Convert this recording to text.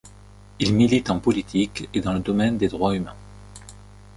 Il milite en politique et dans le domaine des droits humains.